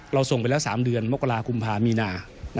ส่งไปแล้ว๓เดือนมกรากุมภามีนา